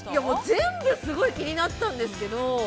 ◆全部すごい気になったんですけど。